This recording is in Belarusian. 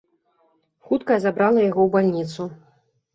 Хуткая забрала яго ў бальніцу.